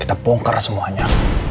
kita bongkar semuanya